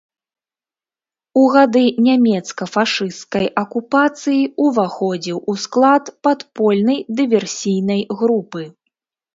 У гады нямецка-фашысцкай акупацыі ўваходзіў у склад падпольнай дыверсійнай групы.